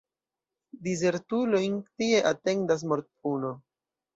Dizertulojn tie atendas mortpuno.